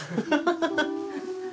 ハハハハ。